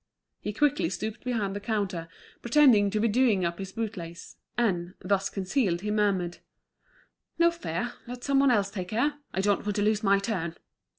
He quickly stooped behind the counter, pretending to be doing up his boot lace; and, thus concealed, he murmured: "No fear, let some one else take her. I don't want to lose my turn!"